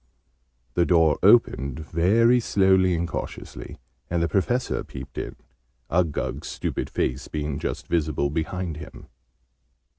The door opened, very slowly and cautiously, and the Professor peeped in, Uggug's stupid face being just visible behind him.